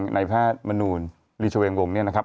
ในแพทย์มนูลลีชเวงวงเนี่ยนะครับ